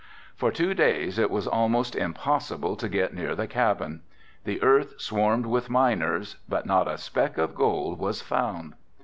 For two days it was almost impossible to get near the cabin. The earth swarmed with miners but not a spec of gold was found.